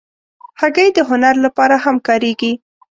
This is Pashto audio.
هګۍ د هنر لپاره هم کارېږي.